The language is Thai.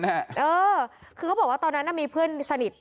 เออคือเขาบอกว่าตอนนั้นมีเพื่อนสนิท